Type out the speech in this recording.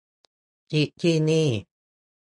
คลิกที่นี่